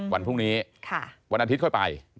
วันพรุ่งนี้วันอาทิตย์ค่อยไป